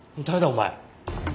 お前。